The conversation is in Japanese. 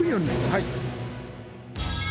はい。